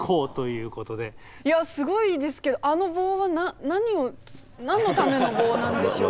いやすごいですけどあの棒は何を何のための棒なんでしょうか？